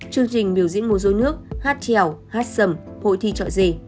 chương trình biểu diễn mua rối nước hát trèo hát sầm hội thi trọi rể